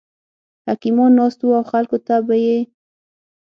حکیمان ناست وو او خلکو ته به یې